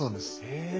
へえ。